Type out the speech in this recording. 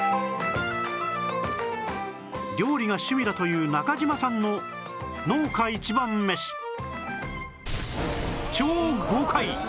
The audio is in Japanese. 料理が趣味だという中島さんの農家一番メシ